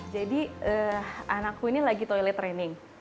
jadi anakku ini lagi toilet training